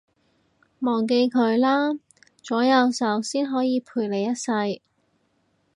忘記佢啦，左右手先可以陪你一世